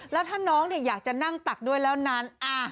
แล้วถ้าน้องอยากจะนั่งตักด้วยแล้วนั้น